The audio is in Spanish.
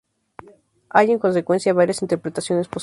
Hay, en consecuencia, varias interpretaciones posibles.